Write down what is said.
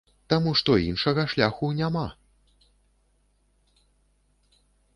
Таму што іншага шляху няма.